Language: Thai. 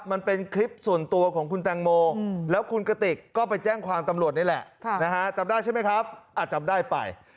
มันเป็นคลิปส่วนตัวของคุณแตงโมแล้วคุณกติกก็ไปแจ้งความตำรวจนี่แหละจำได้ใช่ไหมครับจำได้ไป